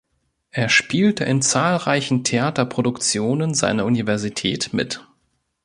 Er spielte in zahlreichen Theaterproduktionen seiner Universität mit.